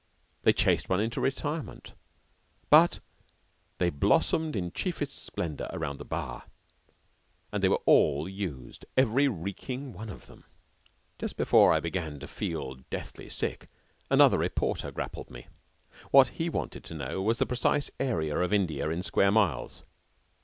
They chased one into retirement, but they blossomed in chiefest splendor round the bar, and they were all used, every reeking one of them. Just before I began to feel deathly sick another reporter grappled me. What he wanted to know was the precise area of India in square miles.